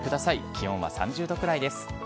気温は３０度くらいです。